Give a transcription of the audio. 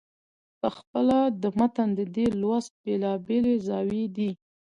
پخپله د متن د دې لوست بېلابېلې زاويې دي.